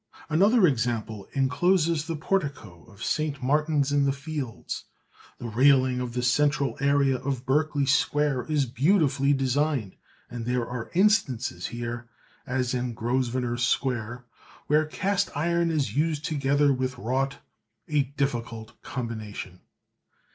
Another example encloses the portico of St. Martin's in the Fields. The railing of the central area of Berkeley Square is beautifully designed, and there are instances here, as in Grosvenor Square, where cast iron is used together with wrought, a difficult combination.